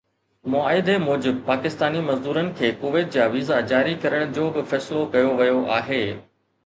معاهدي موجب پاڪستاني مزدورن کي ڪويت جا ويزا جاري ڪرڻ جو به فيصلو ڪيو ويو آهي